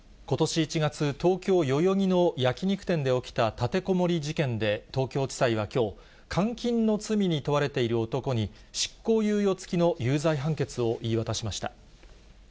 ことし１月、東京・代々木の焼き肉店で起きた立てこもり事件で、東京地裁はきょう、監禁の罪に問われている男に、執行猶予付きの有罪判決を言い渡しました。